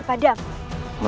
tepaskan nyi iroh